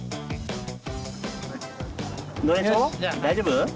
大丈夫？